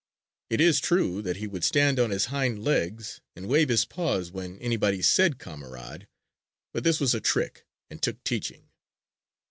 It is true that he would stand on his hind legs and wave his paws when anybody said "Kamerad," but this was a trick and took teaching.